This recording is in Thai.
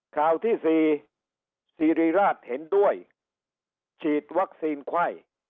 ข่าวที่สี่สิริราชเห็นด้วยฉีดวัคซีนไข้